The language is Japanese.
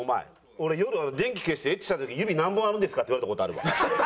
俺夜電気消してエッチした時に「指何本あるんですか？」って言われた事あるわ。